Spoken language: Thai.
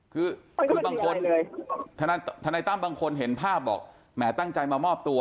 คือบางคนทนายตั้มบางคนเห็นภาพบอกแหมตั้งใจมามอบตัว